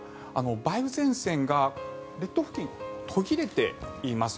梅雨前線が列島付近、途切れています。